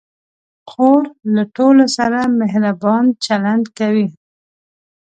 خور له ټولو سره مهربان چلند کوي.